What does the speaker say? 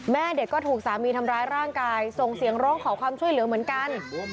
แม่เด็กก็ถูกสามีทำร้ายร่างกายส่งเสียงร้องขอความช่วยเหลือเหมือนกัน